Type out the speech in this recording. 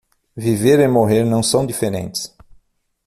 Viver e morrer não são diferentes